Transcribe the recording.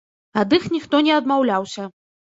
Ад іх ніхто не адмаўляўся.